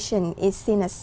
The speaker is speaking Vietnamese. chắc chắn là vậy